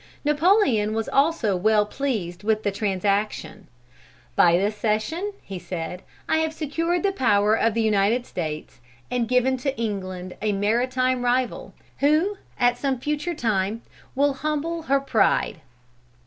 Napoleon was also well pleased with the transaction, "By this cession," he said, "I have secured the power of the United States, and given to England a maritime rival, who, at some future time, will humble her pride."